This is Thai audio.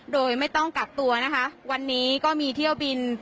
โดยไม่ต้องกักตัวนะคะวันนี้ก็มีเที่ยวบิน